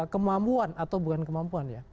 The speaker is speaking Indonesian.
kemampuan atau bukan kemampuan ya